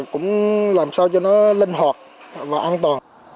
cũng làm sao cho nó linh hoạt và an toàn